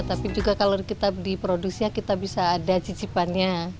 tapi juga kalau kita di produksinya kita bisa ada cicipannya